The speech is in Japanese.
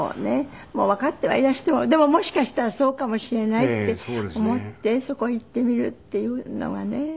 もうわかってはいらしてもでももしかしたらそうかもしれないって思ってそこへ行ってみるっていうのはね。